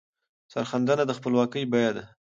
سرښندنه د خپلواکۍ بیه ده.